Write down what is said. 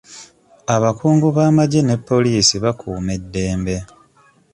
Abakungu b'amagye ne poliisi bakuuma eddembe .